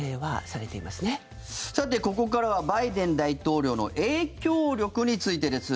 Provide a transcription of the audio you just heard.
さて、ここからはバイデン大統領の影響力についてです。